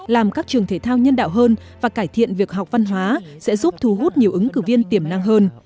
làm các trường thể thao nhân đạo hơn và cải thiện việc học văn hóa sẽ giúp thu hút nhiều ứng cử viên tiềm năng hơn